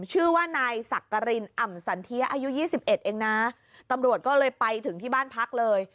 ชื่อว่านายสักกรินอ่ำสันเทียอายุ๒๑เองนะตำรวจก็เลยไปถึงที่บ้านพักเลย